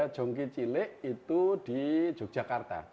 jongke cilik itu di yogyakarta